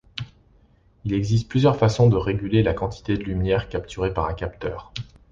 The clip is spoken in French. Il existe plusieurs façons de réguler la quantité de lumière capturée par un capteur.